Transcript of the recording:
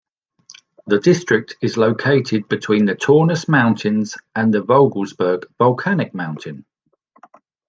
The district is located between the Taunus mountains and the Vogelsberg volcanic mountain.